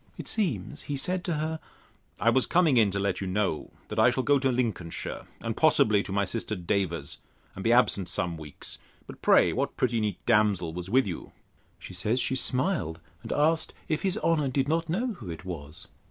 It seems, he said to her, I was coming in to let you know, that I shall go to Lincolnshire, and possibly to my sister Davers's, and be absent some weeks. But, pray, what pretty neat damsel was with you? She says, she smiled, and asked, If his honour did not know who it was?